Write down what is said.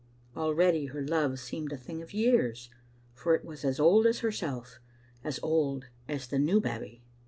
Already her love seemed a thing of years, for it was as old as herself, as old as the new Babbie.